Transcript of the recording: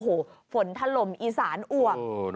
โอ้โห่ฝนทันลมอีสานอ่วะ